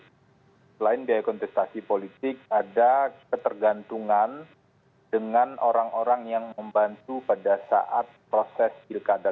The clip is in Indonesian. selain biaya kontestasi politik ada ketergantungan dengan orang orang yang membantu pada saat proses pilkada